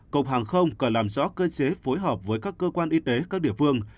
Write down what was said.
cục hàng không cần làm rõ cơ chế phối hợp với các cơ quan y tế các địa phương